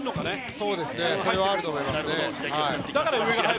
それはあると思います。